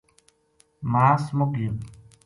ماس مُک گیو